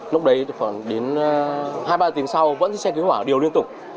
lúc đấy khoảng đến hai ba tiếng sau vẫn xe cứu hỏa đều liên tục